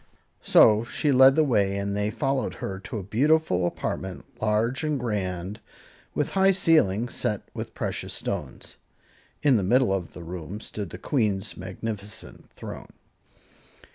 So she led the way and they followed her to a beautiful apartment, large and grand, with high ceilings set with precious stones. In the middle of the room stood the Queen's magnificent throne.